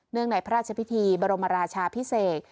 ในพระราชพิธีบรมราชาพิเศษ